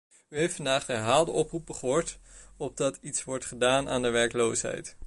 U heeft vandaag de herhaalde oproepen gehoord opdat iets wordt gedaan aan de werkloosheid.